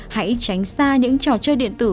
hãy tránh xa những trò chơi điện tử